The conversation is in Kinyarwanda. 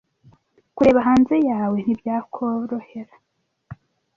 kureba hanze yawe ntibyakorohera